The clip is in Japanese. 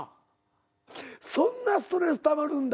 そんなストレスたまるんだ逆に言うと。